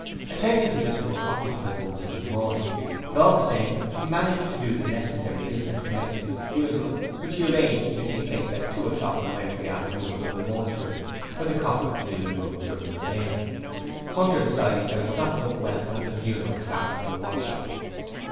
Attending to this work occupied most of his morning, but all the same he managed to do the necessary business connected with the funeral, which he arranged to take place at two o'clock on Wednesday afternoon from the mortuary, where the coffin had been removed during the day, Hunter deciding that it would not look well to have the funeral start from the workshop.